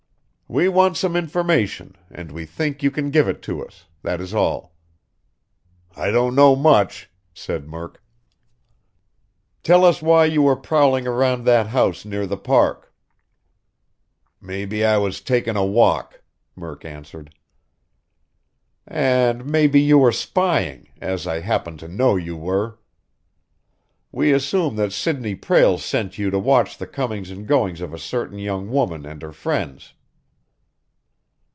"We want some information and we think you can give it to us; that is all." "I don't know much," said Murk. "Tell us why you were prowling around that house near the Park." "Maybe I was takin' a walk," Murk answered. "And maybe you were spying, as I happen to know you were. We assume that Sidney Prale sent you to watch the comings and goings of a certain young woman and her friends."